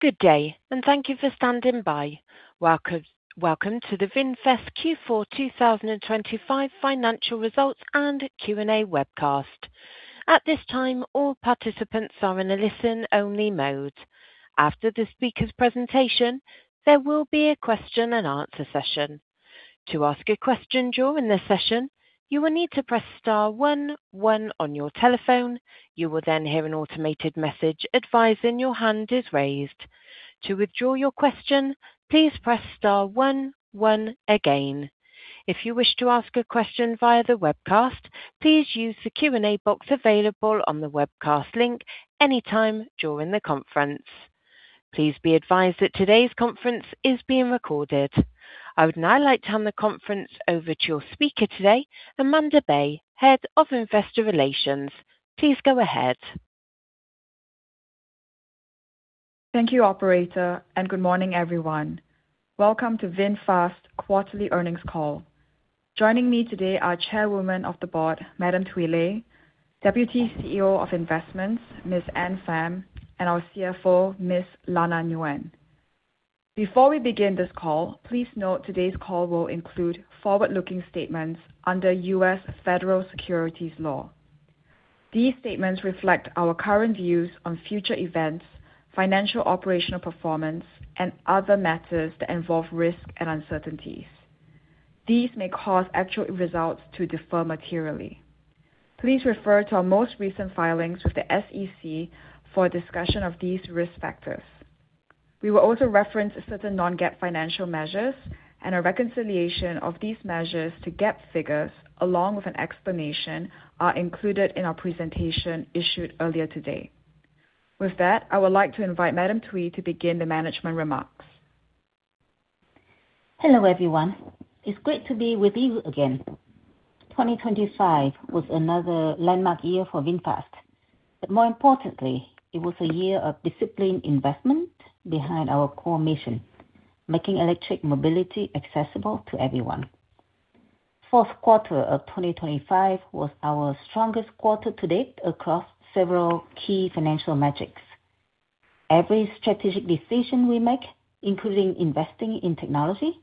Good day, and thank you for standing by. Welcome to the VinFast Q4 2025 financial results and Q&A webcast. At this time, all participants are in a listen-only mode. After the speaker's presentation, there will be a question and answer session. To ask a question during the session, you will need to press star one one on your telephone. You will then hear an automated message advising your hand is raised. To withdraw your question, please press star one one again. If you wish to ask a question via the webcast, please use the Q&A box available on the webcast link any time during the conference. Please be advised that today's conference is being recorded. I would now like to hand the conference over to your speaker today, Amandae Baey, Head of Investor Relations. Please go ahead. Thank you, operator, and good morning, everyone. Welcome to VinFast quarterly earnings call. Joining me today are Chairwoman of the Board, Madam Thuy Le, Deputy CEO of Investments, Ms. Anne Pham, and our CFO, Ms. Lana Nguyen. Before we begin this call, please note today's call will include forward-looking statements under U.S. Federal Securities law. These statements reflect our current views on future events, financial operational performance, and other matters that involve risk and uncertainties. These may cause actual results to differ materially. Please refer to our most recent filings with the SEC for a discussion of these risk factors. We will also reference certain Non-GAAP financial measures and a reconciliation of these measures to GAAP figures along with an explanation are included in our presentation issued earlier today. With that, I would like to invite Madam Thuy to begin the management remarks. Hello, everyone. It's great to be with you again. 2025 was another landmark year for VinFast, but more importantly, it was a year of disciplined investment behind our core mission, making electric mobility accessible to everyone. Fourth quarter of 2025 was our strongest quarter to date across several key financial metrics. Every strategic decision we make, including investing in technology,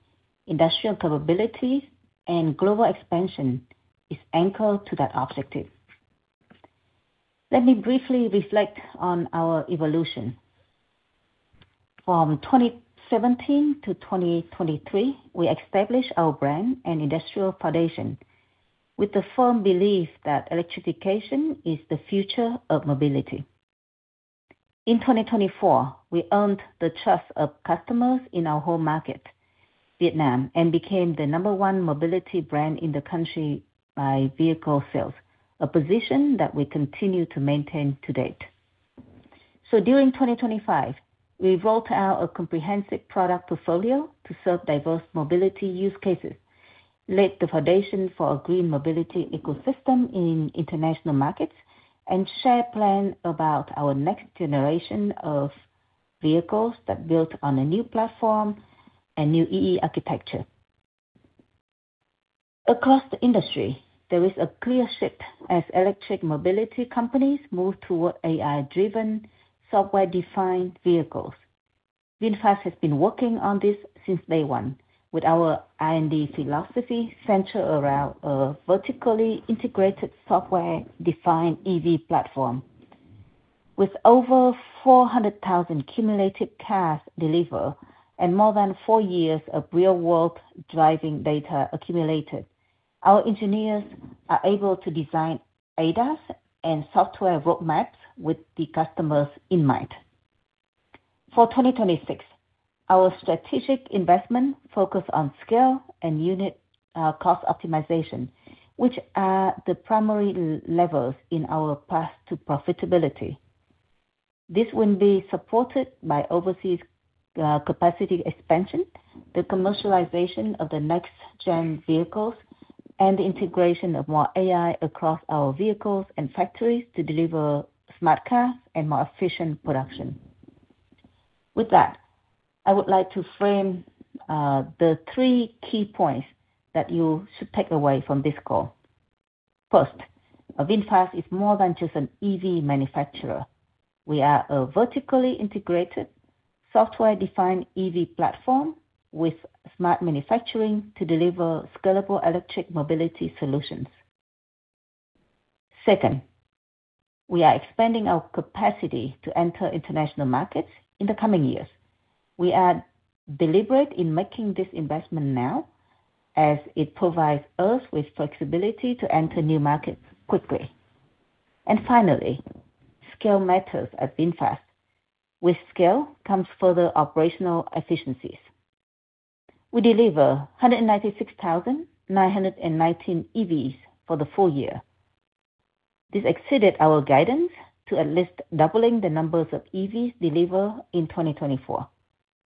industrial capabilities, and global expansion, is anchored to that objective. Let me briefly reflect on our evolution. From 2017 to 2023, we established our brand and industrial foundation with the firm belief that electrification is the future of mobility. In 2024, we earned the trust of customers in our home market, Vietnam, and became the number one mobility brand in the country by vehicle sales, a position that we continue to maintain to date. During 2025, we rolled out a comprehensive product portfolio to serve diverse mobility use cases, laid the foundation for a green mobility ecosystem in international markets, and shared plan about our next generation of vehicles that built on a new platform and new EE architecture. Across the industry, there is a clear shift as electric mobility companies move toward AI-driven software-defined vehicles. VinFast has been working on this since day one with our R&D philosophy centered around a vertically integrated software-defined EV platform. With over 400,000 cumulative cars delivered and more than four years of real-world driving data accumulated, our engineers are able to design ADAS and software road maps with the customers in mind. For 2026, our strategic investment focus on scale and unit cost optimization, which are the primary levels in our path to profitability. This will be supported by overseas capacity expansion, the commercialization of the next-gen vehicles, and the integration of more AI across our vehicles and factories to deliver smart cars and more efficient production. With that, I would like to frame the three key points that you should take away from this call. First, VinFast is more than just an EV manufacturer. We are a vertically integrated software-defined EV platform with smart manufacturing to deliver scalable electric mobility solutions. Second, we are expanding our capacity to enter international markets in the coming years. We are deliberate in making this investment now as it provides us with flexibility to enter new markets quickly. Finally, scale matters at VinFast. With scale comes further operational efficiencies. We deliver 196,919 EVs for the full year. This exceeded our guidance to at least doubling the numbers of EVs delivered in 2024.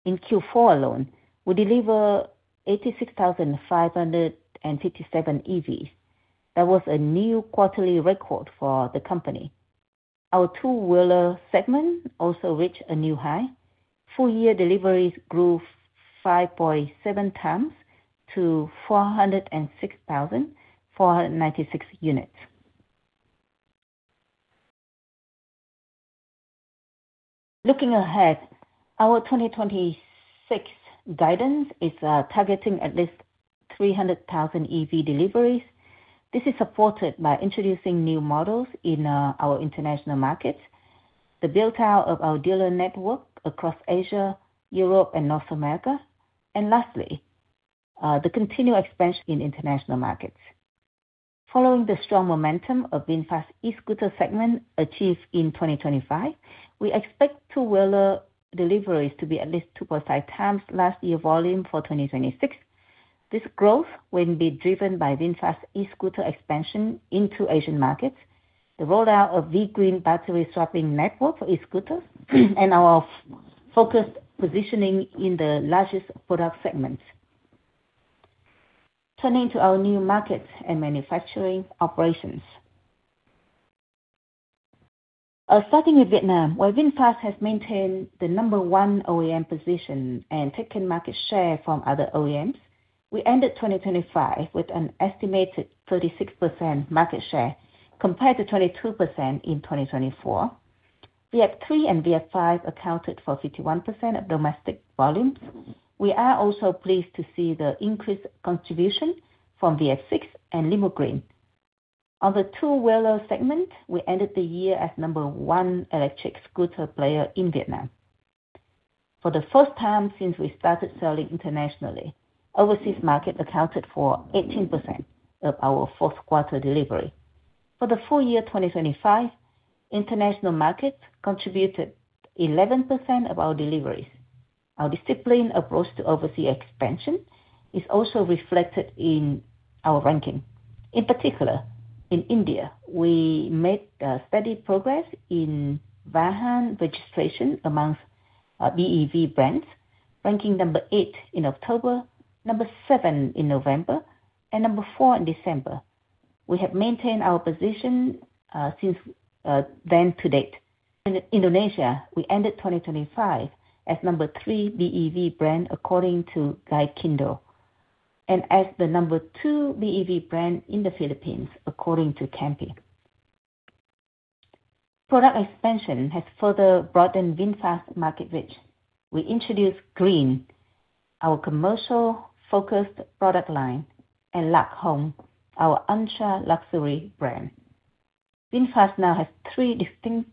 In Q4 alone, we deliver 86,557 EVs. That was a new quarterly record for the company. Our two-wheeler segment also reached a new high. Full year deliveries grew 5.7x to 406,496 units. Looking ahead, our 2026 guidance is targeting at least 300,000 EV deliveries. This is supported by introducing new models in our international markets, the build-out of our dealer network across Asia, Europe, and North America, and lastly, the continued expansion in international markets. Following the strong momentum of VinFast e-scooter segment achieved in 2025, we expect two-wheeler deliveries to be at least 2.5x last year volume for 2026. This growth will be driven by VinFast e-scooter expansion into Asian markets, the rollout of V-GREEN battery swapping network for e-scooters, and our focused positioning in the largest product segments. Turning to our new markets and manufacturing operations. Starting with Vietnam, where VinFast has maintained the number one OEM position and taken market share from other OEMs. We ended 2025 with an estimated 36% market share compared to 22% in 2024. VF3 and VF5 accounted for 51% of domestic volume. We are also pleased to see the increased contribution from VF6 and Limo Green. On the two-wheeler segment, we ended the year as number one electric scooter player in Vietnam. For the first time since we started selling internationally, overseas market accounted for 18% of our fourth quarter delivery. For the full year 2025, international markets contributed 11% of our deliveries. Our disciplined approach to overseas expansion is also reflected in our ranking. In particular, in India, we made steady progress in Vahan registration amongst BEV brands, ranking number eight in October, number seven in November, and number four in December. We have maintained our position since then to date. In Indonesia, we ended 2025 as number three BEV brand according to GAIKINDO, and as the number two BEV brand in the Philippines, according to CAMPI. Product expansion has further broadened VinFast market reach. We introduced Green, our commercial-focused product line, and Lac Hong, our ultra-luxury brand. VinFast now has three distinct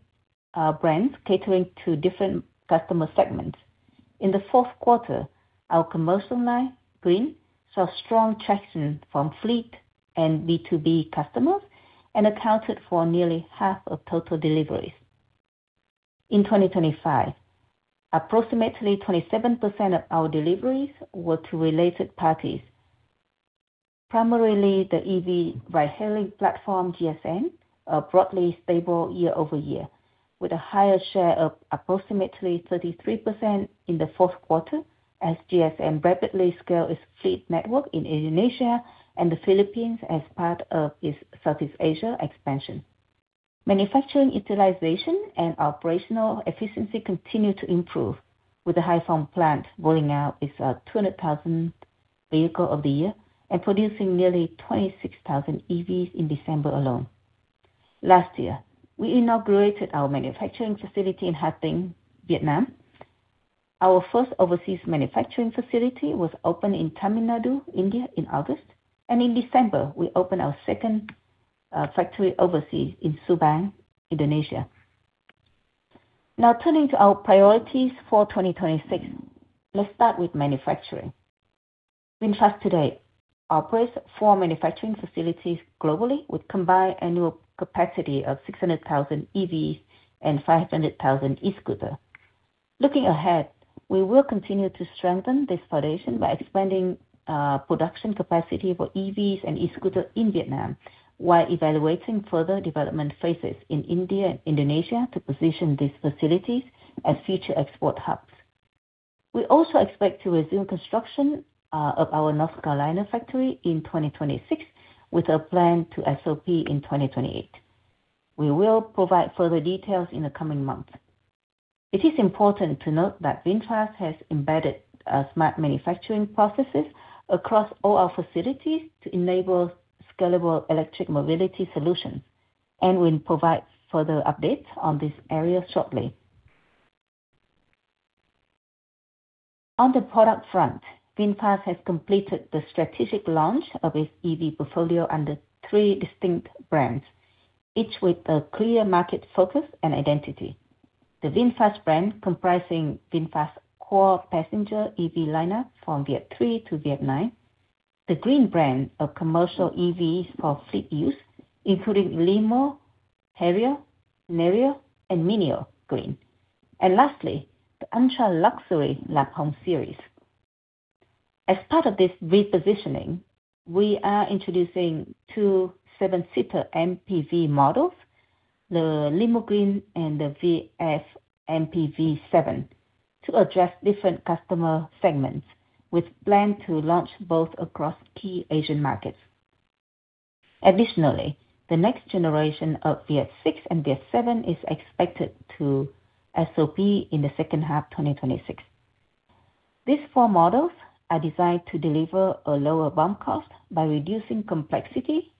brands catering to different customer segments. In the fourth quarter, our commercial line, Green, saw strong traction from fleet and B2B customers and accounted for nearly half of total deliveries. In 2025, approximately 27% of our deliveries were to related parties, primarily the EV ride-hailing platform, GSM, are broadly stable year-over-year, with a higher share of approximately 33% in the fourth quarter as GSM rapidly scale its fleet network in Indonesia and the Philippines as part of its Southeast Asia expansion. Manufacturing utilization and operational efficiency continue to improve with the Hai Phong plant rolling out its 200,000 vehicle of the year and producing nearly 26,000 EVs in December alone. Last year, we inaugurated our manufacturing facility in Ha Tinh, Vietnam. Our first overseas manufacturing facility was opened in Tamil Nadu, India in August, and in December, we opened our second factory overseas in Subang, Indonesia. Now turning to our priorities for 2026. Let's start with manufacturing. VinFast today operates four manufacturing facilities globally with combined annual capacity of 600,000 EVs and 500,000 e-scooters. Looking ahead, we will continue to strengthen this foundation by expanding production capacity for EVs and e-scooters in Vietnam while evaluating further development phases in India and Indonesia to position these facilities as future export hubs. We also expect to resume construction of our North Carolina factory in 2026 with a plan to SOP in 2028. We will provide further details in the coming months. It is important to note that VinFast has embedded smart manufacturing processes across all our facilities to enable scalable electric mobility solutions and will provide further updates on this area shortly. On the product front, VinFast has completed the strategic launch of its EV portfolio under three distinct brands, each with a clear market focus and identity. The VinFast brand, comprising VinFast core passenger EV lineup from VF3 to VF9. The Green brand of commercial EVs for fleet use, including Limo, Herio, Nerio, and Minio Green. Lastly, the ultra-luxury Lac Hong series. As part of this repositioning, we are introducing two seven-seater MPV models, the Limo Green and the VF MPV7, to address different customer segments with plans to launch both across key Asian markets. Additionally, the next generation of VF6 and VF7 is expected to SOP in the second half 2026. These four models are designed to deliver a lower BOM cost by reducing complexity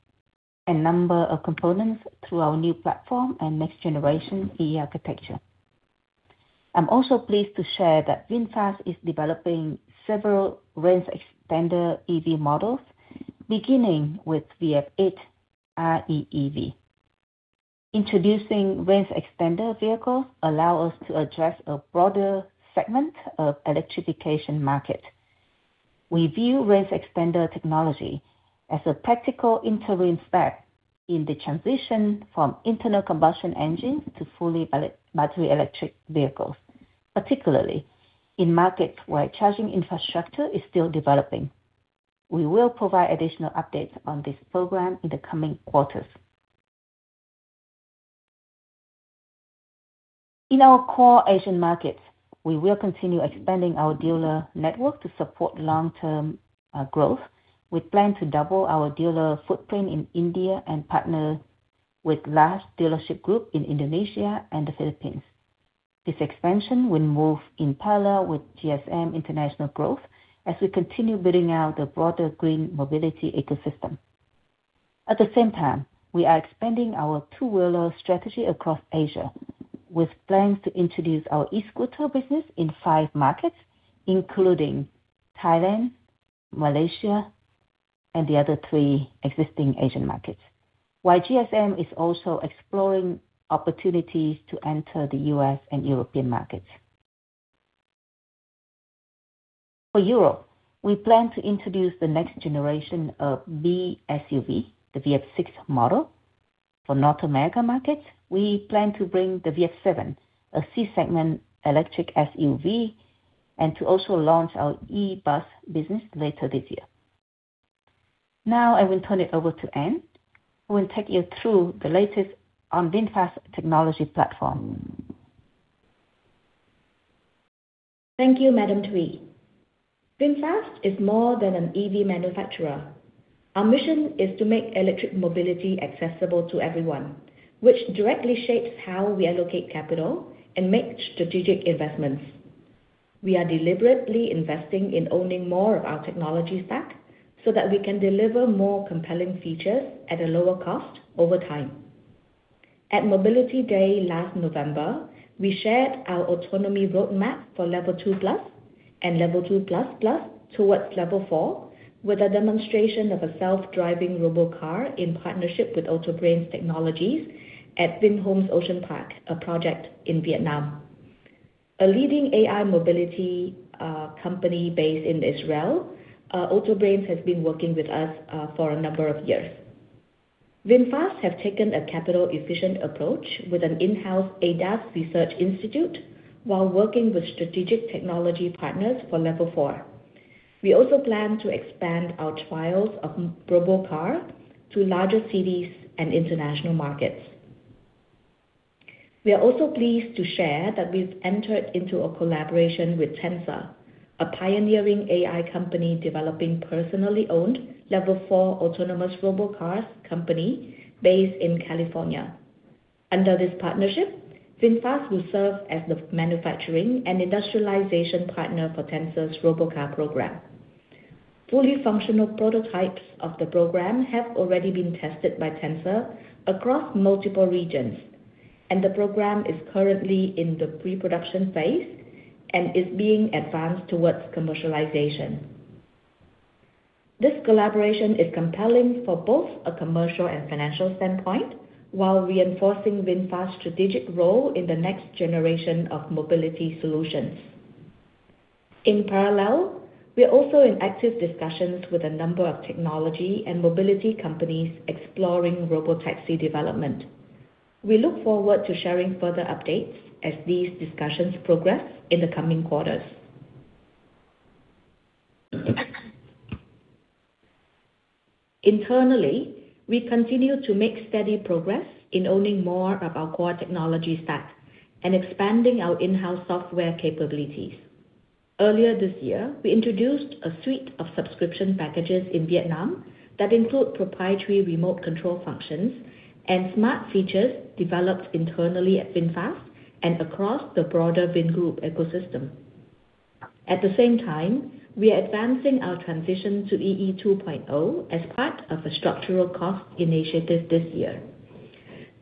and number of components through our new platform and next generation EE architecture. I'm also pleased to share that VinFast is developing several range extender EV models, beginning with VF 8 REEV. Introducing range extender vehicles allow us to address a broader segment of electrification market. We view range extender technology as a practical interim step in the transition from internal combustion engine to fully battery electric vehicles, particularly in markets where charging infrastructure is still developing. We will provide additional updates on this program in the coming quarters. In our core Asian markets, we will continue expanding our dealer network to support long-term growth. We plan to double our dealer footprint in India and partner with large dealership group in Indonesia and the Philippines. This expansion will move in parallel with GSM international growth as we continue building out the broader green mobility ecosystem. At the same time, we are expanding our two-wheeler strategy across Asia, with plans to introduce our e-scooter business in five markets, including Thailand, Malaysia, and the other three existing Asian markets, while GSM is also exploring opportunities to enter the U.S. and European markets. For Europe, we plan to introduce the next generation of B SUV, the VF six model. For North America markets, we plan to bring the VF 7, a C-segment electric SUV, and to also launch our e-bus business later this year. Now I will turn it over to Anne, who will take you through the latest on VinFast technology platform. Thank you, Madam Thuy. VinFast is more than an EV manufacturer. Our mission is to make electric mobility accessible to everyone, which directly shapes how we allocate capital and make strategic investments. We are deliberately investing in owning more of our technology stack so that we can deliver more compelling features at a lower cost over time. At Mobility Day last November, we shared our autonomy roadmap for level 2+ and level 2++ towards level four, with a demonstration of a self-driving Robo-Car in partnership with Autobrains at Vinhomes Ocean Park, a project in Vietnam. A leading AI mobility company based in Israel, Autobrains has been working with us for a number of years. VinFast have taken a capital efficient approach with an in-house ADAS research institute while working with strategic technology partners for level four. We also plan to expand our trials of Robocar to larger cities and international markets. We are also pleased to share that we've entered into a collaboration with Tensor, a pioneering AI company developing personally owned level four autonomous Robocars company based in California. Under this partnership, VinFast will serve as the manufacturing and industrialization partner for Tensor's Robocar program. Fully functional prototypes of the program have already been tested by Tensor across multiple regions, and the program is currently in the pre-production phase and is being advanced towards commercialization. This collaboration is compelling for both a commercial and financial standpoint, while reinforcing VinFast's strategic role in the next generation of mobility solutions. In parallel, we are also in active discussions with a number of technology and mobility companies exploring robotaxi development. We look forward to sharing further updates as these discussions progress in the coming quarters. Internally, we continue to make steady progress in owning more of our core technology stack and expanding our in-house software capabilities. Earlier this year, we introduced a suite of subscription packages in Vietnam that include proprietary remote control functions and smart features developed internally at VinFast and across the broader Vingroup ecosystem. At the same time, we are advancing our transition to EE 2.0 as part of a structural cost initiative this year.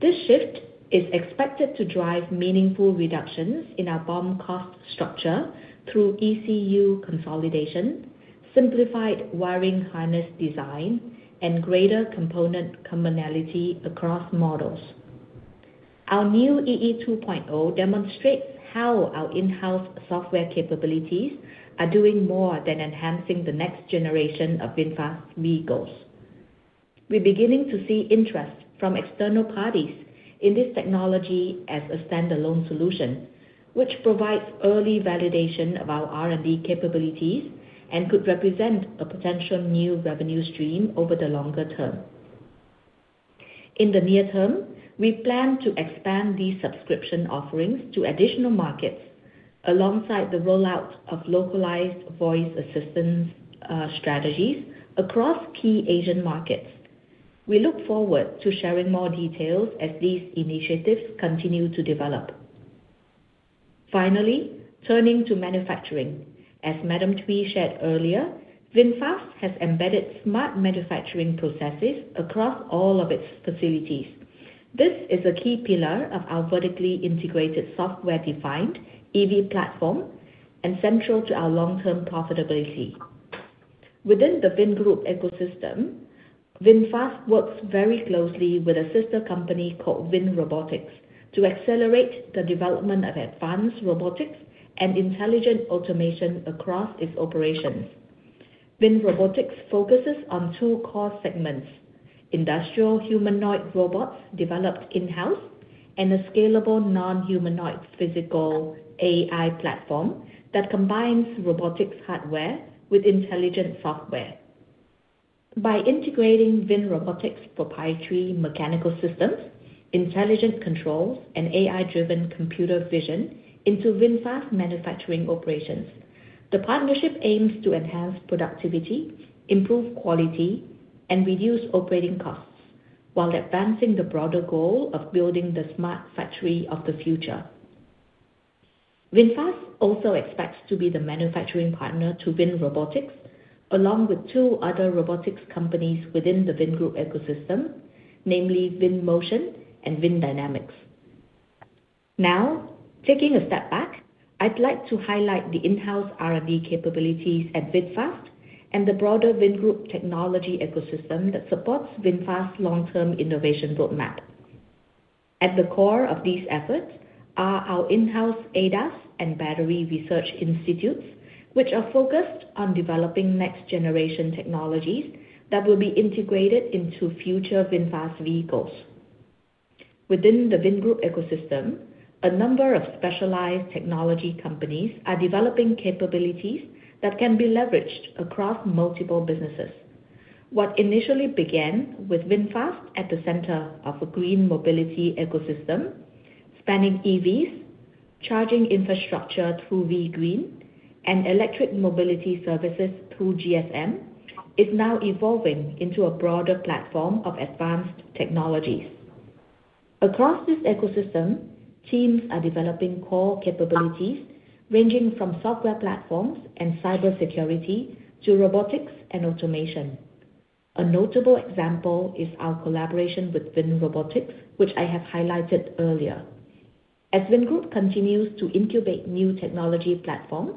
This shift is expected to drive meaningful reductions in our BOM cost structure through ECU consolidation, simplified wiring harness design, and greater component commonality across models. Our new EE 2.0 demonstrates how our in-house software capabilities are doing more than enhancing the next generation of VinFast vehicles. We're beginning to see interest from external parties in this technology as a standalone solution, which provides early validation of our R&D capabilities and could represent a potential new revenue stream over the longer term. In the near term, we plan to expand these subscription offerings to additional markets alongside the rollout of localized voice assistance strategies across key Asian markets. We look forward to sharing more details as these initiatives continue to develop. Finally, turning to manufacturing. As Madam Thuy shared earlier, VinFast has embedded smart manufacturing processes across all of its facilities. This is a key pillar of our vertically integrated software-defined EV platform and central to our long-term profitability. Within the Vingroup ecosystem, VinFast works very closely with a sister company called VinRobotics to accelerate the development of advanced robotics and intelligent automation across its operations. VinRobotics focuses on two core segments, industrial humanoid robots developed in-house, and a scalable non-humanoid physical AI platform that combines robotics hardware with intelligent software. By integrating VinRobotics proprietary mechanical systems, intelligent controls, and AI-driven computer vision into VinFast manufacturing operations, the partnership aims to enhance productivity, improve quality, and reduce operating costs while advancing the broader goal of building the smart factory of the future. VinFast also expects to be the manufacturing partner to VinRobotics, along with two other robotics companies within the Vingroup ecosystem, namely VinMotion and VinDynamics. Now, taking a step back, I'd like to highlight the in-house R&D capabilities at VinFast and the broader Vingroup technology ecosystem that supports VinFast long-term innovation roadmap. At the core of these efforts are our in-house ADAS and battery research institutes, which are focused on developing next-generation technologies that will be integrated into future VinFast vehicles. Within the Vingroup ecosystem, a number of specialized technology companies are developing capabilities that can be leveraged across multiple businesses. What initially began with VinFast at the center of a green mobility ecosystem, spanning EVs, charging infrastructure through VGreen, and electric mobility services through GSM, is now evolving into a broader platform of advanced technologies. Across this ecosystem, teams are developing core capabilities ranging from software platforms and cybersecurity to robotics and automation. A notable example is our collaboration with VinRobotics, which I have highlighted earlier. As Vingroup continues to incubate new technology platforms,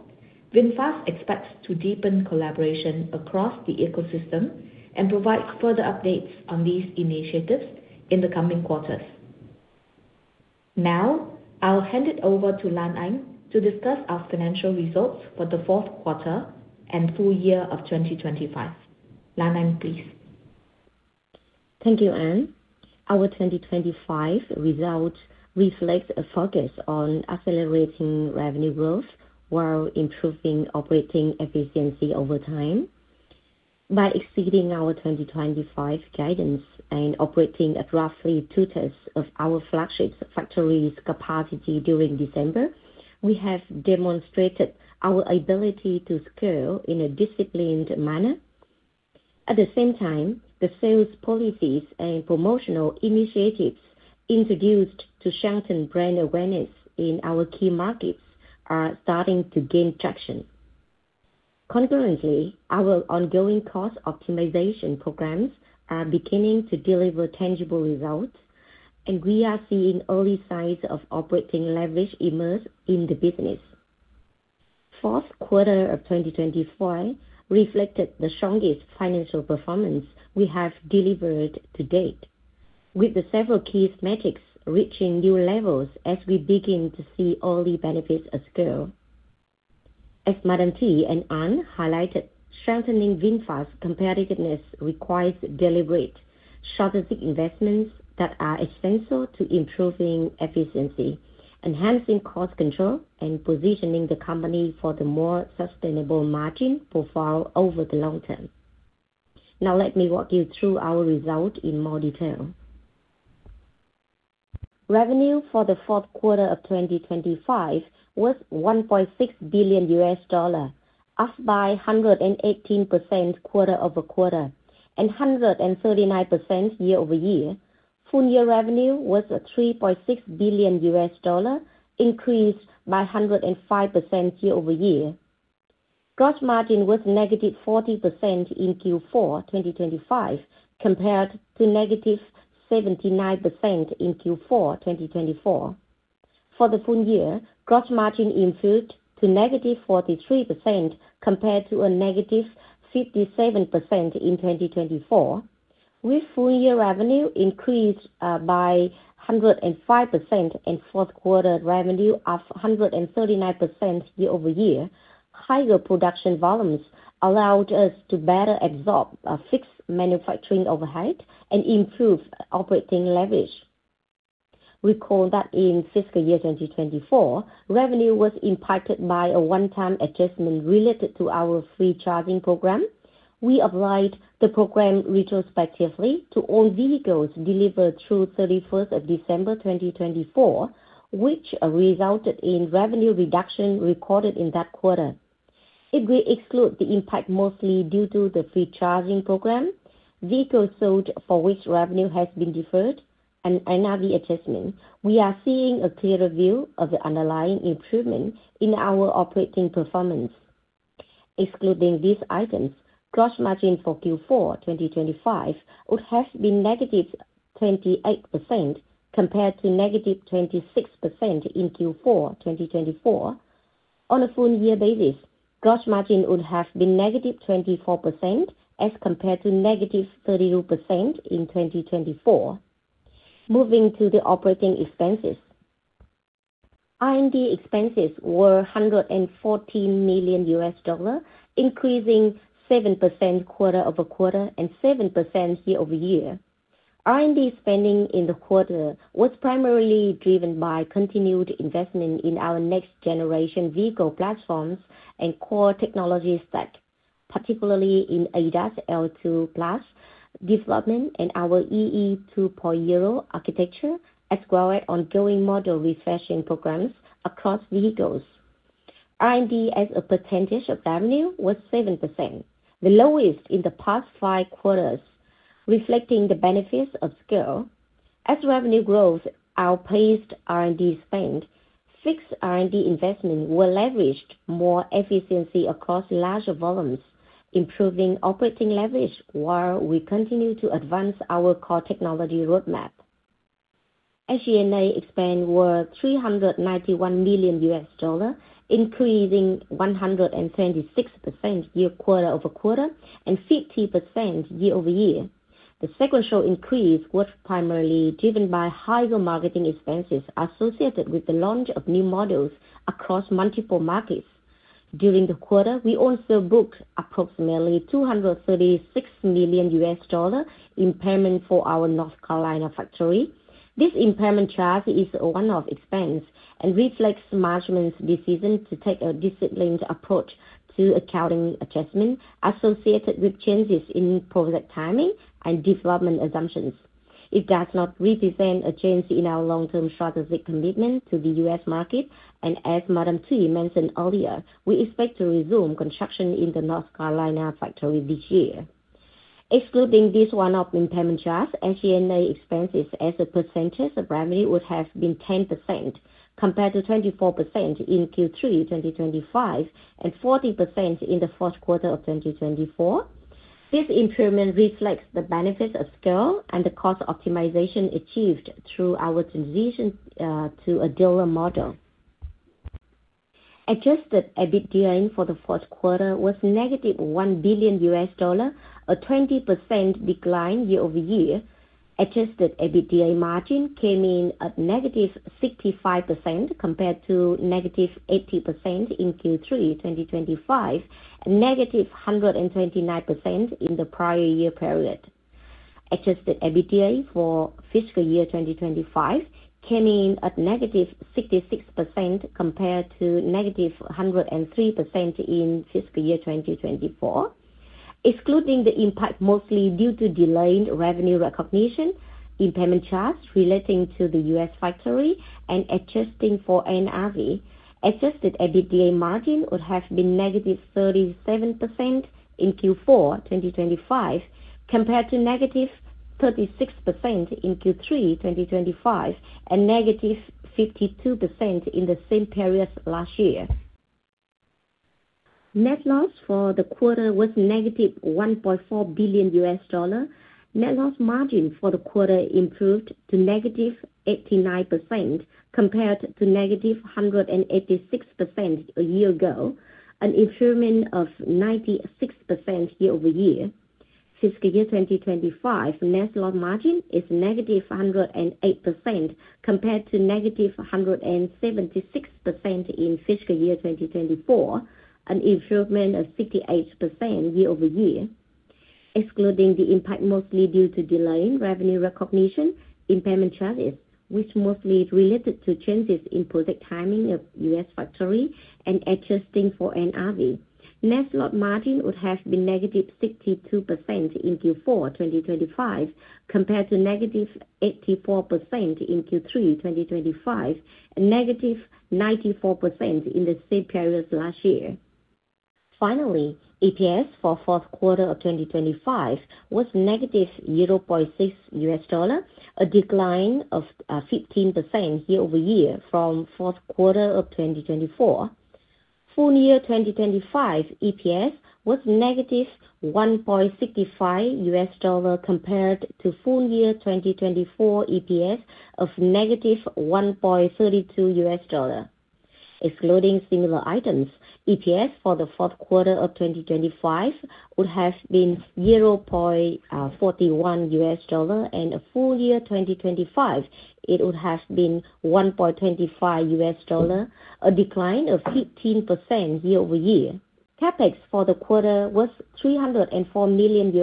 VinFast expects to deepen collaboration across the ecosystem and provide further updates on these initiatives in the coming quarters. Now, I'll hand it over to Lan Anh to discuss our financial results for the fourth quarter and full year of 2025. Lan Anh, please. Thank you, Anh. Our 2025 result reflects a focus on accelerating revenue growth while improving operating efficiency over time. By exceeding our 2025 guidance and operating at roughly two-thirds of our flagship factory's capacity during December, we have demonstrated our ability to scale in a disciplined manner. At the same time, the sales policies and promotional initiatives introduced to strengthen brand awareness in our key markets are starting to gain traction. Concurrently, our ongoing cost optimization programs are beginning to deliver tangible results, and we are seeing early signs of operating leverage emerge in the business. Fourth quarter of 2025 reflected the strongest financial performance we have delivered to date, with several key metrics reaching new levels as we begin to see early benefits at scale. As Madam Thuy and Anh highlighted, strengthening VinFast competitiveness requires deliberate strategic investments that are essential to improving efficiency, enhancing cost control, and positioning the company for the more sustainable margin profile over the long term. Now, let me walk you through our results in more detail. Revenue for the fourth quarter of 2025 was $1.6 billion, up by 118% quarter-over-quarter and 139% year-over-year. Full-year revenue was $3.6 billion, increased by 105% year-over-year. Gross margin was -40% in Q4 2025, compared to -79% in Q4 2024. For the full year, gross margin improved to -43% compared to a -57% in 2024. With full year revenue increased by 105% and fourth quarter revenue up 139% year-over-year, higher production volumes allowed us to better absorb a fixed manufacturing overhead and improve operating leverage. Recall that in fiscal year 2024, revenue was impacted by a one-time adjustment related to our free charging program. We applied the program retrospectively to all vehicles delivered through 31st of December, 2024, which resulted in revenue reduction recorded in that quarter. If we exclude the impact mostly due to the free charging program, vehicles sold for which revenue has been deferred, and NRV adjustment, we are seeing a clearer view of the underlying improvement in our operating performance. Excluding these items, gross margin for Q4 2025 would have been -28% compared to -26% in Q4 2024. On a full-year basis, gross margin would have been -24% as compared to -32% in 2024. Moving to the operating expenses. R&D expenses were $114 million, increasing 7% quarter-over-quarter and 7% year-over-year. R&D spending in the quarter was primarily driven by continued investment in our next-generation vehicle platforms and core technology stack, particularly in ADAS L2+ development and our EE 2.0 architecture, as well as ongoing model refreshing programs across vehicles. R&D as a percentage of revenue was 7%, the lowest in the past 5 quarters, reflecting the benefits of scale. As revenue growth outpaced R&D spend, fixed R&D investment will leverage more efficiency across larger volumes, improving operating leverage while we continue to advance our core technology roadmap. SG&A expense were $391 million, increasing 126% quarter-over-quarter and 50% year-over-year. The sequential increase was primarily driven by higher marketing expenses associated with the launch of new models across multiple markets. During the quarter, we also booked approximately $236 million impairment for our North Carolina factory. This impairment charge is a one-off expense and reflects management's decision to take a disciplined approach to accounting adjustment associated with changes in project timing and development assumptions. It does not represent a change in our long-term strategic commitment to the U.S. market. As Le Thi Thu Thuy mentioned earlier, we expect to resume construction in the North Carolina factory this year. Excluding this one-off impairment charge, SG&A expenses as a percentage of revenue would have been 10% compared to 24% in Q3 2025 and 40% in the first quarter of 2024. This improvement reflects the benefits of scale and the cost optimization achieved through our transition to a dealer model. Adjusted EBITDA for the fourth quarter was -$1 billion, a 20% decline year-over-year. Adjusted EBITDA margin came in at -65% compared to -80% in Q3 2025 and -129% in the prior year period. Adjusted EBITDA for fiscal year 2025 came in at -66% compared to -103% in fiscal year 2024. Excluding the impact mostly due to delayed revenue recognition, impairment charge relating to the U.S. factory, and adjusting for NRV, adjusted EBITDA margin would have been -37% in Q4 2025 compared to -36% in Q3 2025 and -52% in the same period last year. Net loss for the quarter was -$1.4 billion. Net loss margin for the quarter improved to -89% compared to -186% a year ago, an improvement of 96% year-over-year. Fiscal year 2025 net loss margin is -108% compared to -176% in fiscal year 2024, an improvement of 68% year-over-year. Excluding the impact mostly due to delayed revenue recognition, impairment charges, which mostly related to changes in project timing of U.S. factory, and adjusting for NRV, net loss margin would have been -62% in Q4 2025 compared to -84% in Q3 2025 and -94% in the same period last year. Finally, EPS for the fourth quarter of 2025 was -$0.6, a decline of 15% year-over-year from the fourth quarter of 2024. Full year 2025 EPS was -$1.65 compared to full year 2024 EPS of -$1.32. Excluding similar items, EPS for the fourth quarter of 2025 would have been $0.41, and full-year 2025, it would have been $1.25, a decline of 15% year-over-year. CapEx for the quarter was $304 million,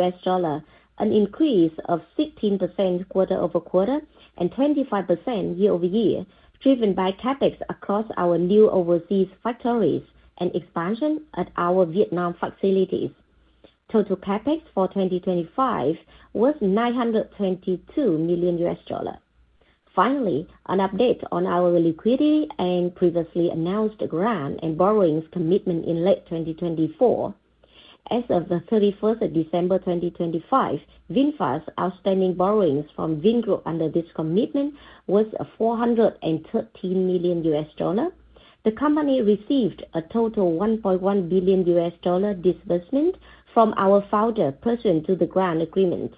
an increase of 16% quarter-over-quarter and 25% year-over-year, driven by CapEx across our new overseas factories and expansion at our Vietnam facilities. Total CapEx for 2025 was $922 million. Finally, an update on our liquidity and previously announced grant and borrowings commitment in late 2024. As of December 31, 2025, VinFast's outstanding borrowings from Vingroup under this commitment was $413 million. The company received a total $1.1 billion disbursement from our founder pursuant to the grant agreement.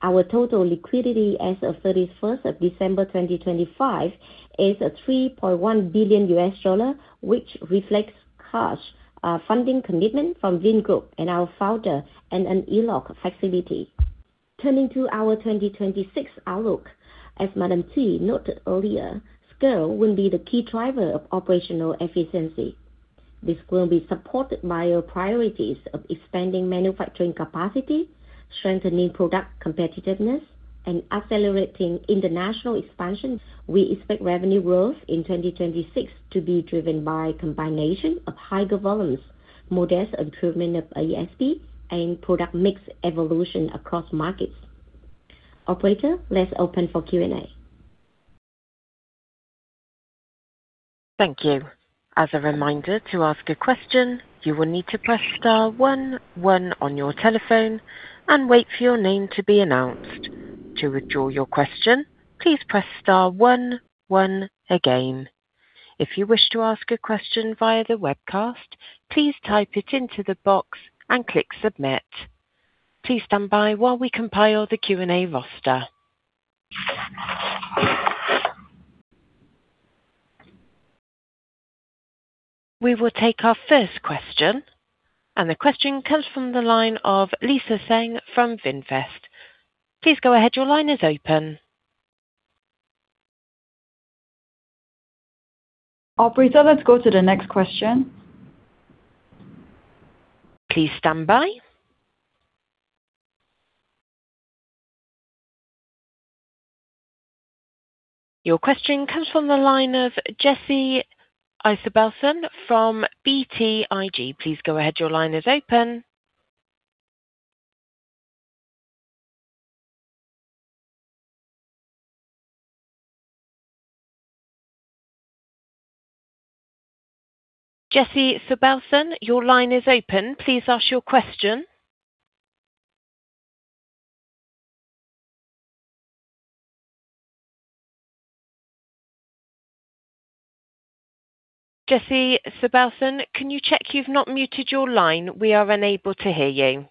Our total liquidity as of 31st, December 2025 is $3.1 billion, which reflects cash, funding commitment from Vingroup and our founder and an ELOC facility. Turning to our 2026 outlook. As Madam Thuy noted earlier, scale will be the key driver of operational efficiency. This will be supported by our priorities of expanding manufacturing capacity, strengthening product competitiveness, and accelerating international expansion. We expect revenue growth in 2026 to be driven by a combination of higher volumes, modest improvement of ASP, and product mix evolution across markets. Operator, let's open for Q&A. Thank you. As a reminder, to ask a question, you will need to press star one one on your telephone and wait for your name to be announced. To withdraw your question, please press star one one again. If you wish to ask a question via the webcast, please type it into the box and click submit. Please stand by while we compile the Q&A roster. We will take our first question, and the question comes from the line of Philippe Houchois from Jefferies. Please go ahead. Your line is open. Operator, let's go to the next question. Please stand by. Your question comes from the line of Jesse Sobelson from BTIG. Please go ahead. Your line is open. Jesse Sobelson, your line is open. Please ask your question. Jesse Sobelson, can you check you've not muted your line? We are unable to hear you.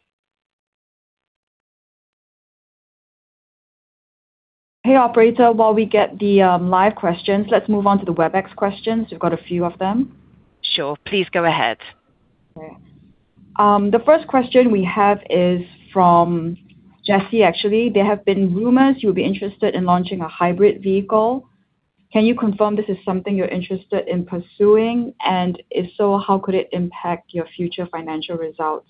Hey, operator. While we get the live questions, let's move on to the Webex questions. We've got a few of them. Sure. Please go ahead. All right. The first question we have is from Jesse, actually. There have been rumors you'll be interested in launching a hybrid vehicle. Can you confirm this is something you're interested in pursuing? And if so, how could it impact your future financial results?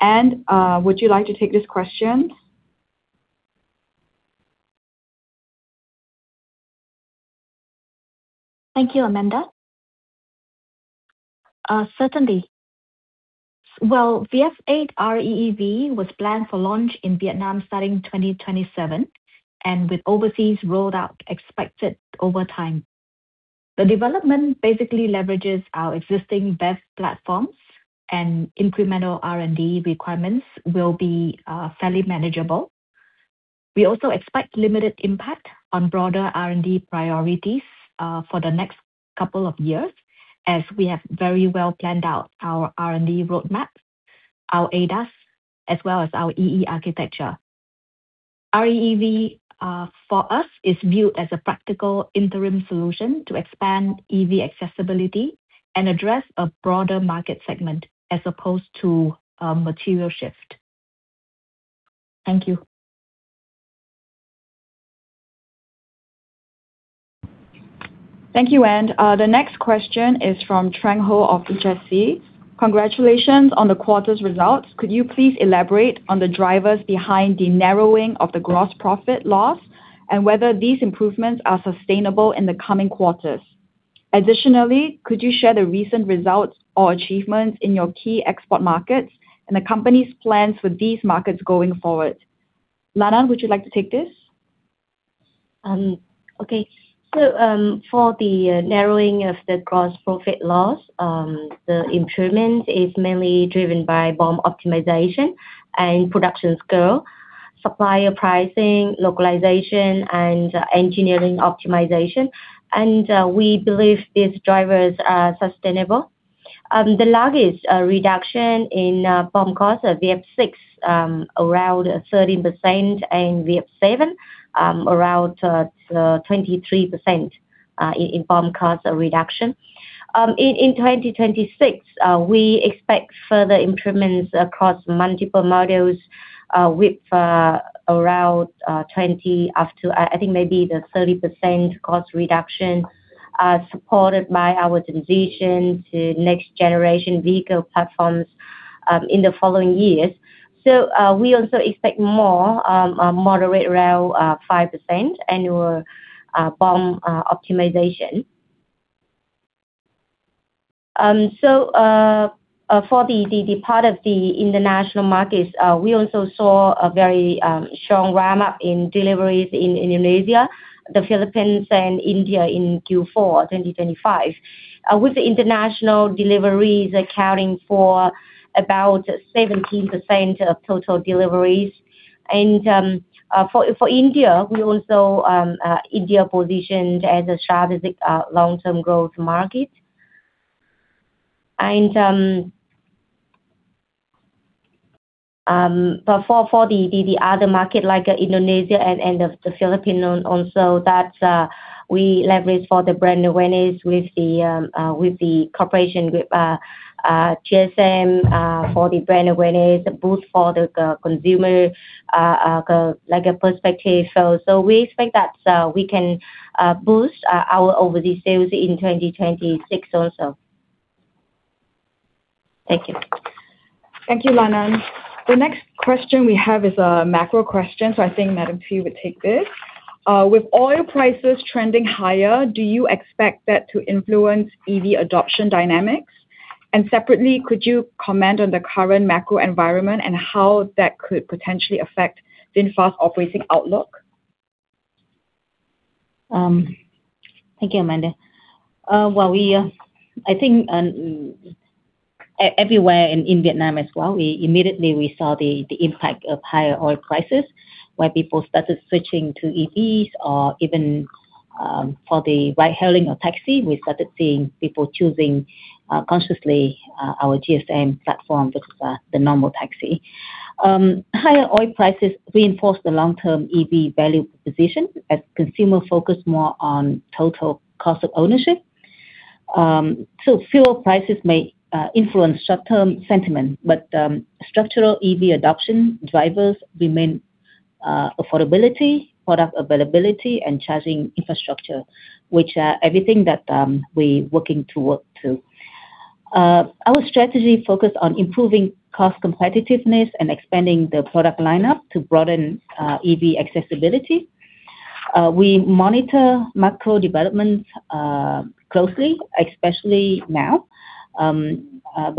And, would you like to take this question? Thank you, Amandae Baey. Certainly. Well, VF 8 REEV was planned for launch in Vietnam starting 2027, and with overseas rollout expected over time. The development basically leverages our existing BEV platforms and incremental R&D requirements will be fairly manageable. We also expect limited impact on broader R&D priorities for the next couple of years as we have very well planned out our R&D roadmap, our ADAS, as well as our EE architecture. REEV for us is viewed as a practical interim solution to expand EV accessibility and address a broader market segment as opposed to a material shift. Thank you. Thank you, An. The next question is from Trang Ho of HSC. Congratulations on the quarter's results. Could you please elaborate on the drivers behind the narrowing of the gross profit loss and whether these improvements are sustainable in the coming quarters? Additionally, could you share the recent results or achievements in your key export markets and the company's plans for these markets going forward? Lana, would you like to take this? Okay. For the narrowing of the gross profit loss, the improvement is mainly driven by BOM optimization and production scale, supplier pricing, localization and engineering optimization. We believe these drivers are sustainable. The largest reduction in BOM cost of VF 6, around 13%, and VF 7, around 23%, in BOM cost reduction. In 2026, we expect further improvements across multiple models, with around 20%-30% cost reduction, supported by our transition to next generation vehicle platforms in the following years. We also expect more moderate around 5% annual BOM optimization. For the part of the international markets, we also saw a very strong ramp up in deliveries in Indonesia, the Philippines and India in Q4 2025, with the international deliveries accounting for about 17% of total deliveries. For India, we also India positioned as a strategic long-term growth market. For the other market like Indonesia and the Philippines that we leverage for the brand awareness with the cooperation with GSM for the brand awareness boost for the consumer, like a perspective. We expect that we can boost our overseas sales in 2026 also. Thank you. Thank you, Lanan. The next question we have is a macro question, so I think Madam Thuy would take this. With oil prices trending higher, do you expect that to influence EV adoption dynamics? And separately, could you comment on the current macro environment and how that could potentially affect VinFast operating outlook? Thank you, Amanda. Well, I think everywhere in Vietnam as well, we immediately saw the impact of higher oil prices where people started switching to EVs or even for the ride hailing or taxi, we started seeing people choosing consciously our GSM platform versus the normal taxi. Higher oil prices reinforce the long-term EV value position as consumers focus more on total cost of ownership. Fuel prices may influence short-term sentiment, but structural EV adoption drivers remain affordability, product availability and charging infrastructure, which everything that we working to work to. Our strategy focus on improving cost competitiveness and expanding the product lineup to broaden EV accessibility. We monitor macro developments closely, especially now. No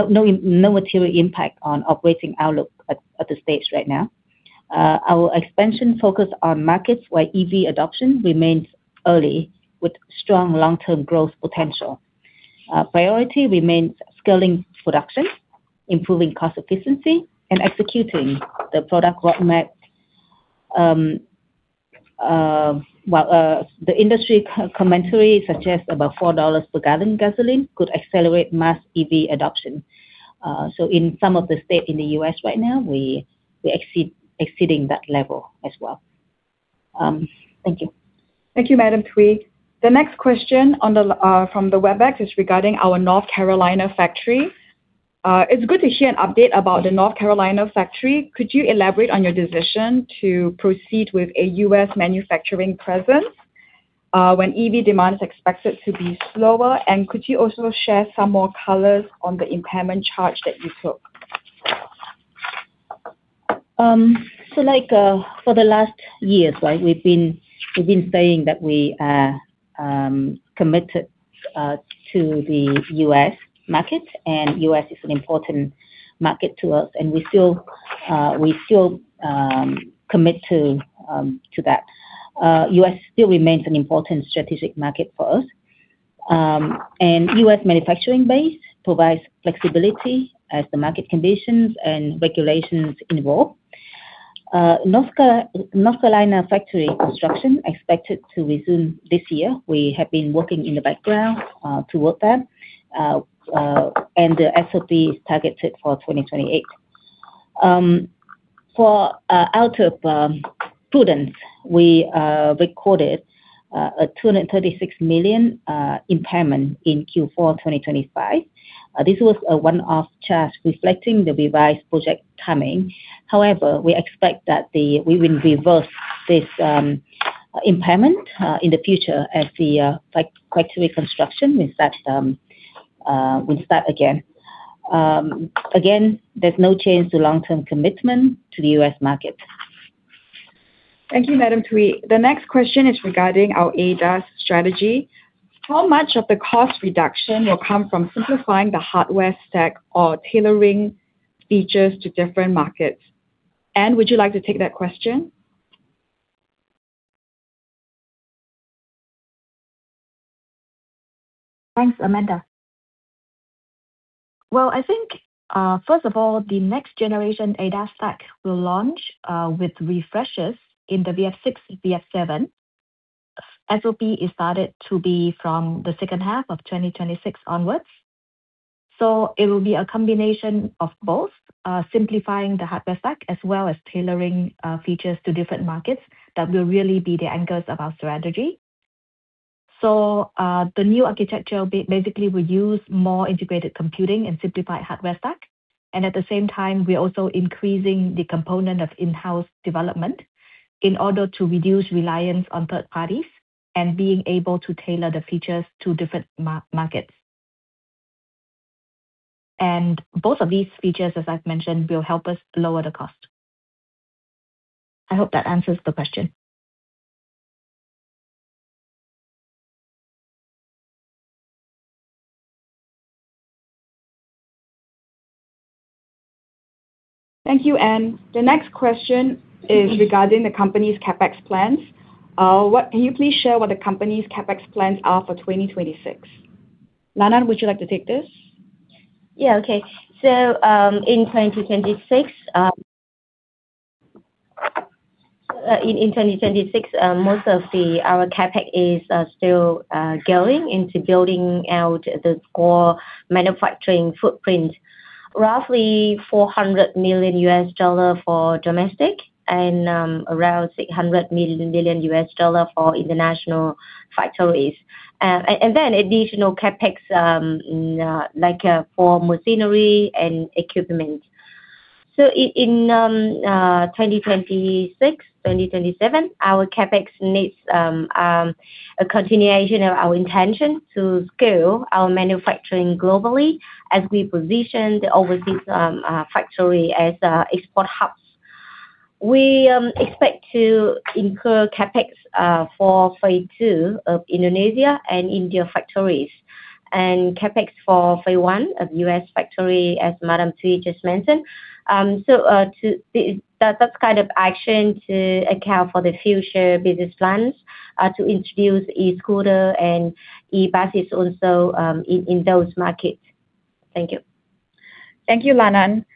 material impact on operating outlook at this stage right now. Our expansion focus on markets where EV adoption remains early with strong long-term growth potential. Priority remains scaling production, improving cost efficiency, and executing the product roadmap. The industry commentary suggests about $4 per gallon gasoline could accelerate mass EV adoption. In some of the states in the U.S. right now, we are exceeding that level as well. Thank you. Thank you, Madam Thuy. The next question from the Webex is regarding our North Carolina factory. It's good to hear an update about the North Carolina factory. Could you elaborate on your decision to proceed with a U.S. manufacturing presence when EV demand is expected to be slower? And could you also share some more color on the impairment charge that you took? Like, for the last years, right? We've been saying that we are committed to the U.S. market, and U.S. is an important market to us and we still commit to that. U.S. still remains an important strategic market for us. U.S. manufacturing base provides flexibility as the market conditions and regulations evolve. North Carolina factory construction expected to resume this year. We have been working in the background to work that, and the SOP is targeted for 2028. Out of prudence, we recorded a 236 million impairment in Q4 2025. This was a one-off charge reflecting the revised project timing. However, we expect that the We will reverse this impairment in the future as the factory construction we start again. Again, there's no change to long-term commitment to the U.S. market. Thank you, Madam Thuy. The next question is regarding our ADAS strategy. How much of the cost reduction will come from simplifying the hardware stack or tailoring features to different markets? Anne, would you like to take that question? Thanks, Amanda. Well, I think, first of all, the next generation ADAS stack will launch with refreshes in the VF 6, VF 7. SOP is started to be from the second half of 2026 onwards. It will be a combination of both, simplifying the hardware stack as well as tailoring features to different markets that will really be the anchors of our strategy. The new architecture basically will use more integrated computing and simplified hardware stack. At the same time, we're also increasing the component of in-house development in order to reduce reliance on third parties and being able to tailor the features to different markets. Both of these features, as I've mentioned, will help us lower the cost. I hope that answers the question. Thank you, Ann. The next question is regarding the company's CapEx plans. Can you please share what the company's CapEx plans are for 2026? Lan Lan, would you like to take this? In 2026, most of our CapEx is still going into building out the core manufacturing footprint. Roughly $400 million for domestic and around $600 million for international factories. Additional CapEx like for machinery and equipment. In 2026, 2027, our CapEx needs a continuation of our intention to scale our manufacturing globally as we position the overseas factory as export hubs. We expect to incur CapEx for phase II of Indonesia and India factories and CapEx for phase I of U.S. factory, as Madam Thuy just mentioned. That's kind of action to account for the future business plans to introduce e-scooter and e-buses also in those markets. Thank you. Thank you, Lan Lan.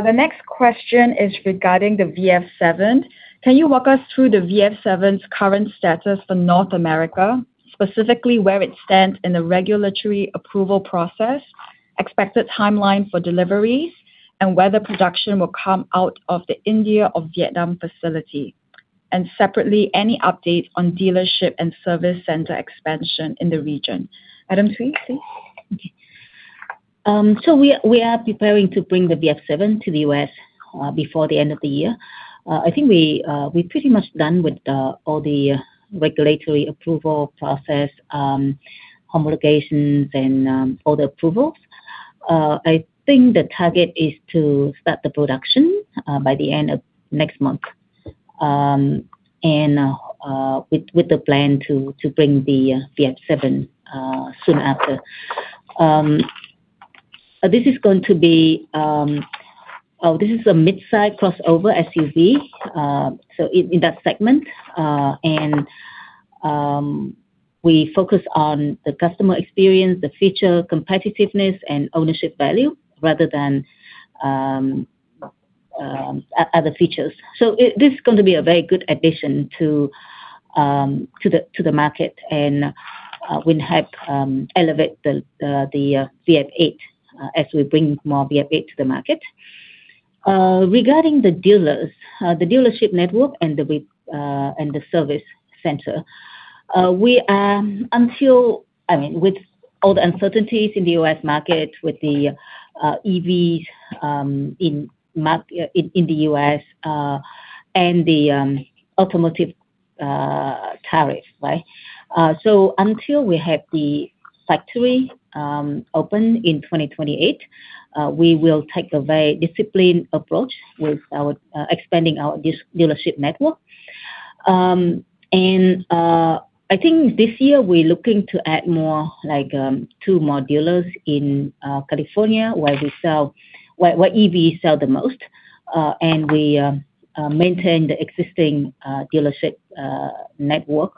The next question is regarding the VF7. Can you walk us through the VF7's current status for North America, specifically where it stands in the regulatory approval process, expected timeline for deliveries, and whether production will come out of the India or Vietnam facility? Separately, any update on dealership and service center expansion in the region? Madam Thuy, please. We are preparing to bring the VF7 to the U.S. before the end of the year. I think we're pretty much done with all the regulatory approval process, obligations and all the approvals. I think the target is to start the production by the end of next month. With the plan to bring the VF7 soon after. This is going to be a midsize crossover SUV in that segment. We focus on the customer experience, the feature competitiveness and ownership value rather than other features. This is gonna be a very good addition to the market and will help elevate the VF8 as we bring more VF8 to the market. Regarding the dealers, the dealership network and the service center. I mean, with all the uncertainties in the U.S. market with the EVs in the U.S. and the automotive tariffs, right? Until we have the factory open in 2028, we will take a very disciplined approach with expanding our dealership network. I think this year we're looking to add more like two more dealers in California where we sell where EVs sell the most and we maintain the existing dealership network.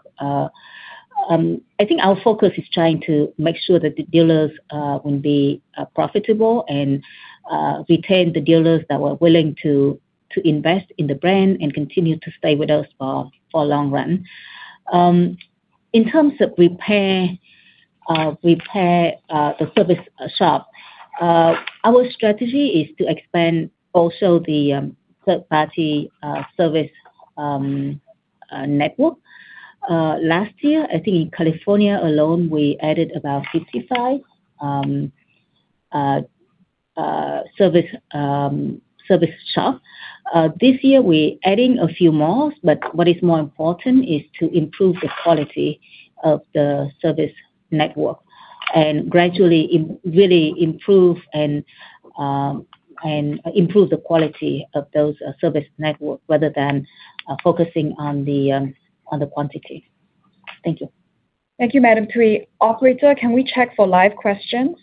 I think our focus is trying to make sure that the dealers will be profitable and retain the dealers that were willing to to invest in the brand and continue to stay with us for for long run. In terms of repair repair the service shop our strategy is to expand also the third party service network. Last year, I think in California alone, we added about 55 service shop. This year we're adding a few more, but what is more important is to improve the quality of the service network and gradually really improve the quality of those service network rather than focusing on the quantity. Thank you. Thank you, Madam Thuy. Operator, can we check for live questions?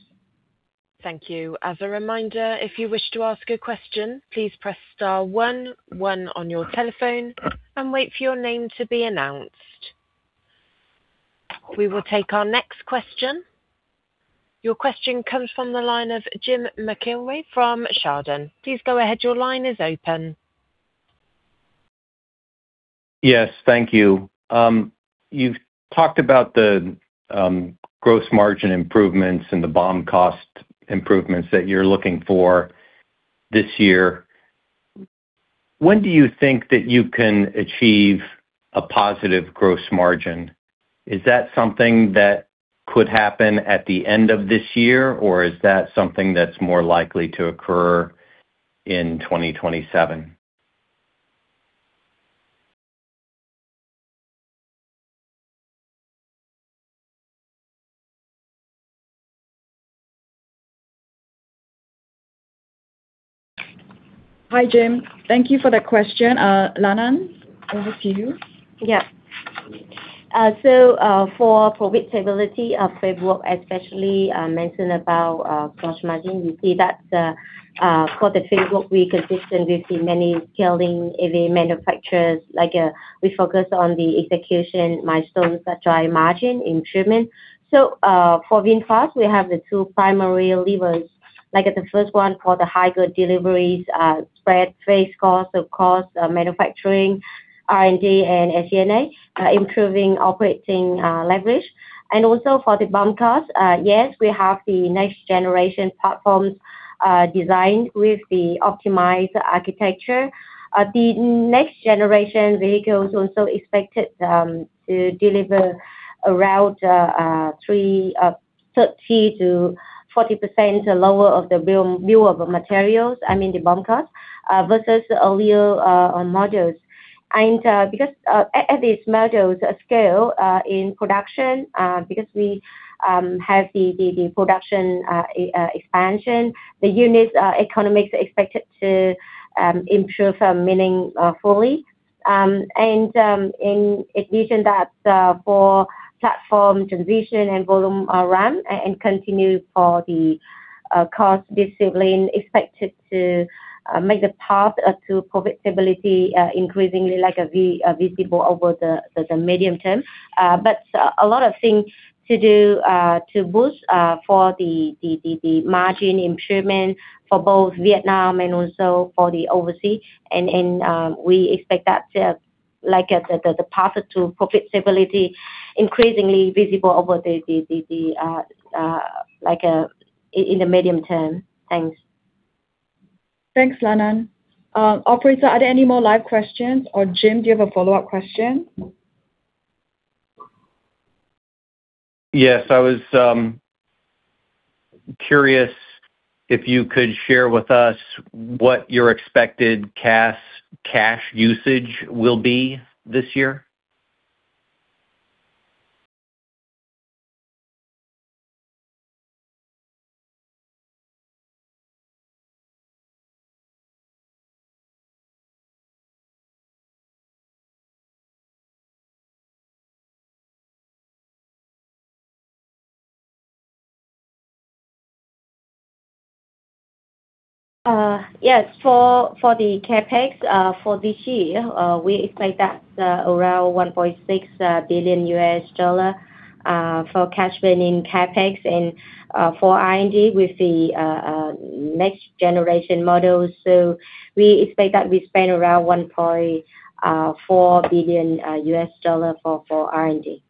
Thank you. As a reminder, if you wish to ask a question, please press star one one on your telephone and wait for your name to be announced. We will take our next question. Your question comes from the line of James McIlree from Chardan Capital Markets. Please go ahead. Your line is open. Yes. Thank you. You've talked about the gross margin improvements and the BOM cost improvements that you're looking for this year. When do you think that you can achieve a positive gross margin? Is that something that could happen at the end of this year, or is that something that's more likely to occur in 2027? Hi, Jim. Thank you for that question. Lanan, over to you. Yeah. For profitability framework, especially mention about gross margin, we see that for the framework, we're consistent, we see many scaling EV manufacturers like we focus on the execution milestones such as margin improvement. For VinFast, we have the two primary levers, like the first one for the high-volume deliveries spread fixed costs, of course manufacturing, R&D and SG&A, improving operating leverage. Also for the BOM costs, yes, we have the next generation platforms designed with the optimized architecture. The next generation vehicles also expected to deliver around 30%-40% lower of the bill of materials, I mean, the BOM costs versus earlier models. Because as these models scale in production, because we have the production expansion, the unit economics are expected to improve meaningfully. In addition that for platform transition and volume run and continue for the cost discipline expected to make the path to profitability increasingly like a visible over the medium term. A lot of things to do to boost for the margin improvement for both Vietnam and also for the overseas. We expect that to like the path to profitability increasingly visible over the like in the medium term. Thanks. Thanks, Lanan. Operator, are there any more live questions? Or Jim, do you have a follow-up question? Yes, I was curious if you could share with us what your expected cash usage will be this year? Yes. For the CapEx for this year, we expect that around $1.6 billion for cash spending CapEx and for R&D with the next generation models. We expect that we spend around $1.4 billion for R&D. Yeah.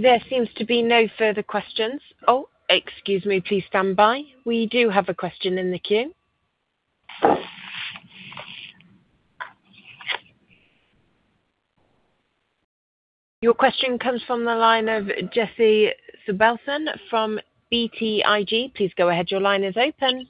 There seems to be no further questions. Oh, excuse me. Please stand by. We do have a question in the queue. Your question comes from the line of Jesse Sobelson from BTIG. Please go ahead. Your line is open.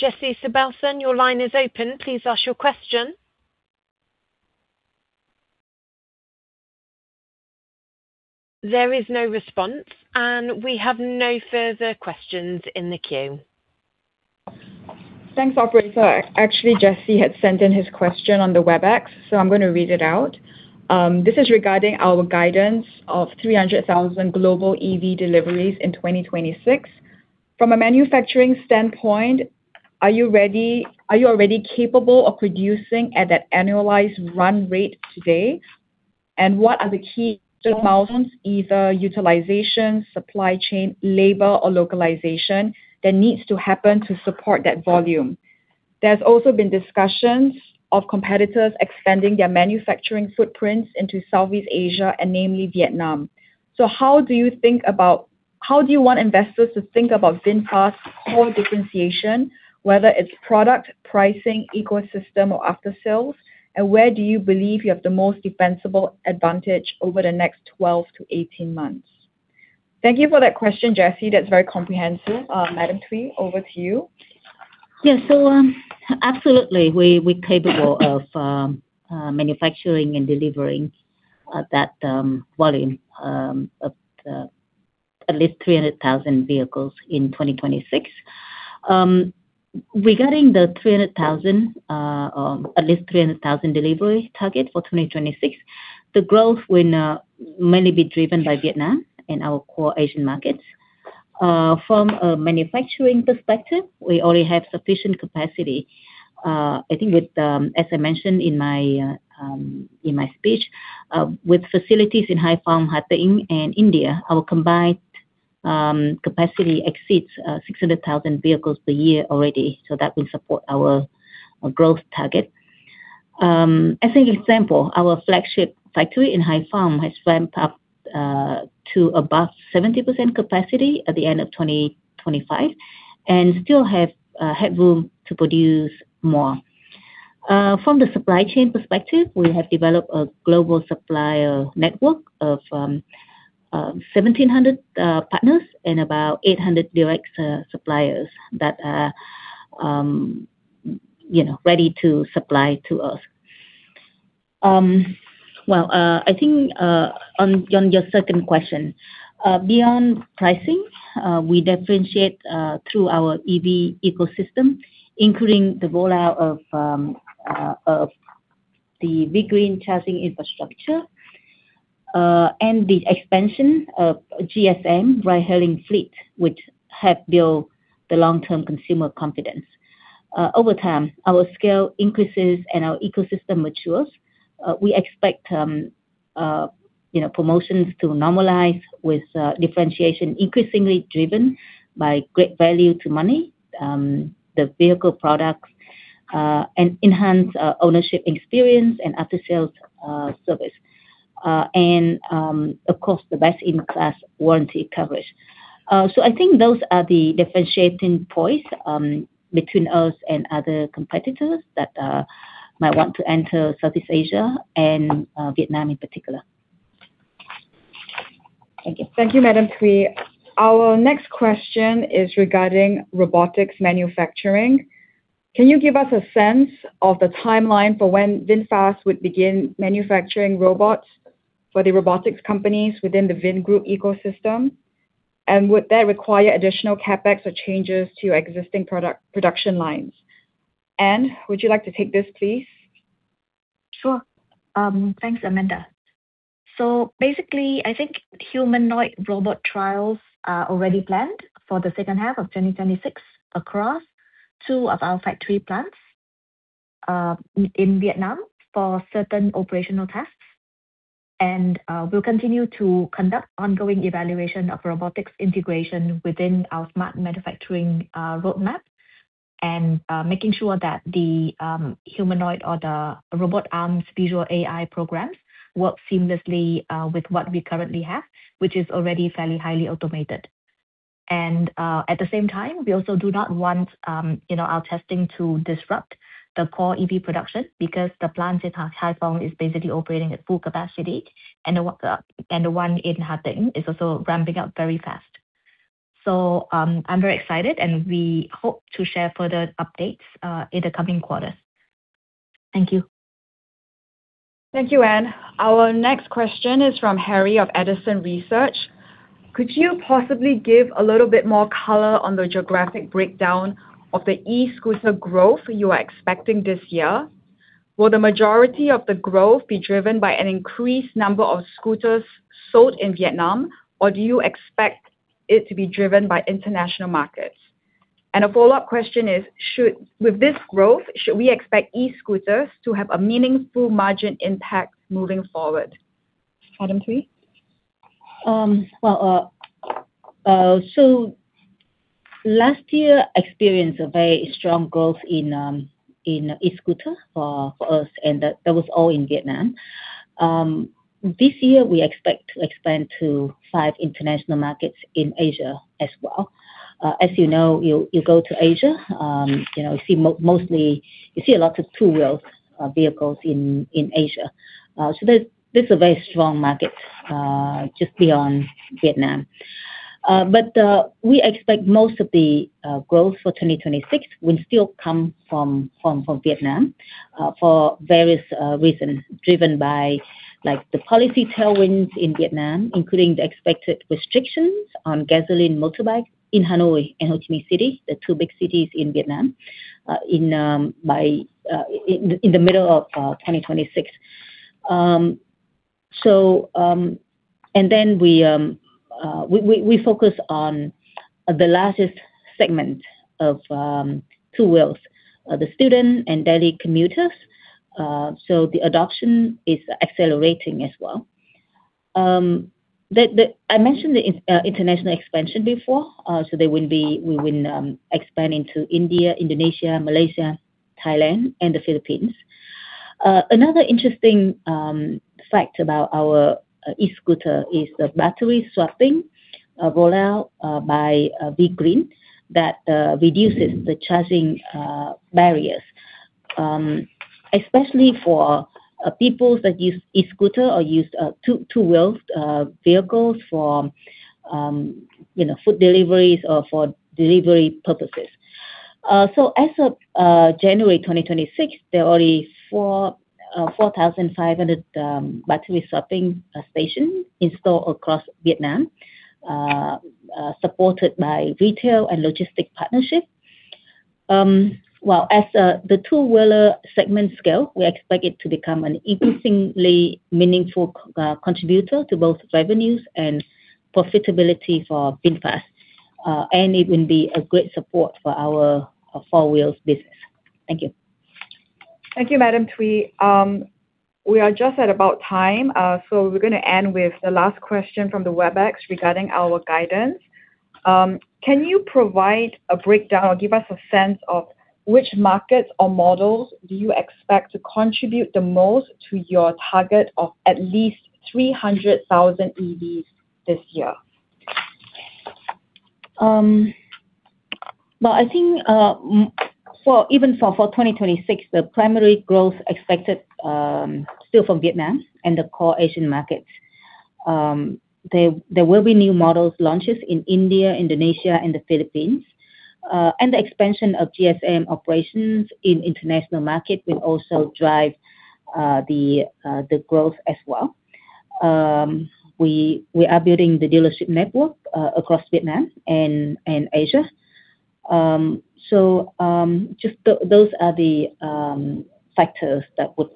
Jesse Sobelson, your line is open. Please ask your question. There is no response, and we have no further questions in the queue. Thanks, operator. Actually, Jesse had sent in his question on the Webex, so I'm gonna read it out. This is regarding our guidance of 300,000 global EV deliveries in 2026. From a manufacturing standpoint, are you already capable of producing at that annualized run rate today? And what are the key milestones, either utilization, supply chain, labor or localization that needs to happen to support that volume? There's also been discussions of competitors extending their manufacturing footprints into Southeast Asia and namely Vietnam. So how do you want investors to think about VinFast's core differentiation, whether it's product, pricing, ecosystem or after-sales, and where do you believe you have the most defensible advantage over the next 12-18 months? Thank you for that question, Jesse. That's very comprehensive. Madam Thuy, over to you. Yeah. Absolutely, we're capable of manufacturing and delivering that volume of at least 300,000 vehicles in 2026. Regarding the at least 300,000 delivery target for 2026, the growth will mainly be driven by Vietnam and our core Asian markets. From a manufacturing perspective, we already have sufficient capacity. I think with, as I mentioned in my speech, with facilities in Hai Phong, Ha Tinh, and India, our combined capacity exceeds 600,000 vehicles per year already, so that will support our growth target. As an example, our flagship factory in Hai Phong has ramped up to above 70% capacity at the end of 2025 and still have headroom to produce more. From the supply chain perspective, we have developed a global supplier network of 1,700 partners and about 800 direct suppliers that are, you know, ready to supply to us. Well, I think, on your second question, beyond pricing, we differentiate through our EV ecosystem, including the rollout of the V-GREEN charging infrastructure, and the expansion of GSM ride-hailing fleet, which help build the long-term consumer confidence. Over time, our scale increases and our ecosystem matures. We expect, you know, promotions to normalize with differentiation increasingly driven by great value to money, the vehicle products, and enhanced ownership experience and after-sales service, and, of course, the best-in-class warranty coverage. I think those are the differentiating points between us and other competitors that might want to enter Southeast Asia and Vietnam in particular. Thank you. Thank you, Madam Thuy. Our next question is regarding robotics manufacturing. Can you give us a sense of the timeline for when VinFast would begin manufacturing robots for the robotics companies within the Vingroup ecosystem? And would that require additional CapEx or changes to your existing product, production lines? Anne, would you like to take this, please? Sure. Thanks, Amanda. Basically, I think humanoid robot trials are already planned for the second half of 2026 across two of our factory plants in Vietnam for certain operational tasks. We'll continue to conduct ongoing evaluation of robotics integration within our smart manufacturing roadmap and making sure that the humanoid or the robot arms visual AI programs work seamlessly with what we currently have, which is already fairly highly automated. At the same time, we also do not want you know, our testing to disrupt the core EV production because the plant in Haiphong is basically operating at full capacity, and the one in Ha Tinh is also ramping up very fast. I'm very excited, and we hope to share further updates in the coming quarters. Thank you. Thank you, Anne. Our next question is from Harry of Edison Group. Could you possibly give a little bit more color on the geographic breakdown of the e-scooter growth you are expecting this year? Will the majority of the growth be driven by an increased number of scooters sold in Vietnam, or do you expect it to be driven by international markets? And a follow-up question is, with this growth, should we expect e-scooters to have a meaningful margin impact moving forward? Madam Thuy? Last year experienced a very strong growth in e-scooter for us, and that was all in Vietnam. This year, we expect to expand to five international markets in Asia as well. As you know, you go to Asia, you know, you see mostly a lot of two-wheeled vehicles in Asia. There's a very strong market just beyond Vietnam. We expect most of the growth for 2026 will still come from Vietnam for various reasons driven by, like, the policy tailwinds in Vietnam, including the expected restrictions on gasoline motorbikes in Hanoi and Ho Chi Minh City, the two big cities in Vietnam, in the middle of 2026. We focus on the largest segment of two wheels, the student and daily commuters. The adoption is accelerating as well. I mentioned the international expansion before. We will expand into India, Indonesia, Malaysia, Thailand, and the Philippines. Another interesting fact about our e-scooter is the battery swapping rollout by V-GREEN that reduces the charging barriers, especially for people that use e-scooter or use two-wheeled vehicles for, you know, food deliveries or for delivery purposes. As of January 2026, there are only 4,500 battery swapping stations installed across Vietnam, supported by retail and logistics partnerships. Well, as the two-wheeler segment scales, we expect it to become an increasingly meaningful contributor to both revenues and profitability for VinFast, and it will be a great support for our four-wheels business. Thank you. Thank you, Madam Thuy. We are just at about time, so we're gonna end with the last question from the Webex regarding our guidance. Can you provide a breakdown or give us a sense of which markets or models do you expect to contribute the most to your target of at least 300,000 EVs this year? Well, I think, well, even for 2026, the primary growth expected still from Vietnam and the core Asian markets. There will be new models launches in India, Indonesia and the Philippines, and the expansion of GSM operations in international market will also drive the growth as well. We are building the dealership network across Vietnam and Asia. Just those are the factors that would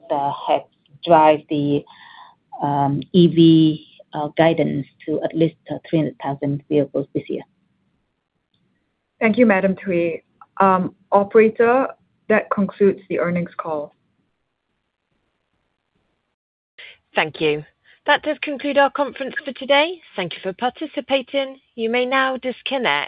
help drive the EV guidance to at least 300,000 vehicles this year. Thank you, Madam Thuy. Operator, that concludes the earnings call. Thank you. That does conclude our conference for today. Thank you for participating. You may now disconnect.